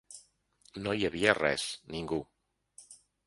No hi havia res, ningú.